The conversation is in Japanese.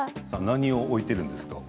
何を置いているんですか？